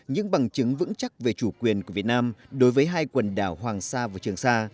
những bằng chứng vững chắc về chủ quyền của việt nam đối với hai quần đảo hoàng sa và trường sa